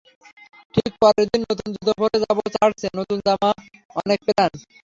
ঠিক পরের দিন নতুন জুতা পরে যাব চার্চে, নতুন জামা, অনেক প্ল্যান।